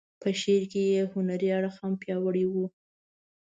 په شعر کې یې هنري اړخ هم پیاوړی و.